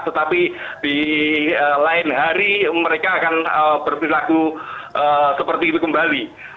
tetapi di lain hari mereka akan berperilaku seperti itu kembali